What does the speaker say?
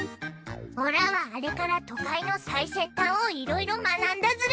オラはあれから都会の最先端をいろいろ学んだズラ。